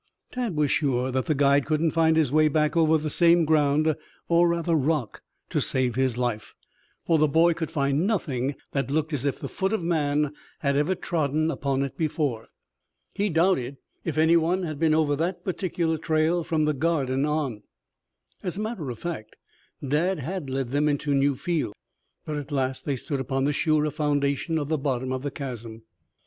Tad was sure that the guide couldn't find his way back over the same ground, or rather rock, to save his life, for the boy could find nothing that looked as if the foot of man had ever trodden upon it before. He doubted if any one had been over that particular trail from the Garden on. As a matter of fact, Dad had led them into new fields. But at last they stood upon the surer foundation of the bottom of the chasm.